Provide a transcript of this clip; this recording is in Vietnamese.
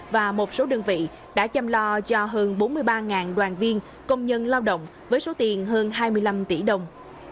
của bốn đơn vị đã chăm lo cho hơn bốn mươi ba đoàn viên công nhân lao động với số tiền hơn hai mươi năm tỷ đồng